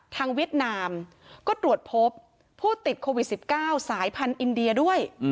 เวียดนามก็ตรวจพบผู้ติดโควิด๑๙สายพันธุ์อินเดียด้วย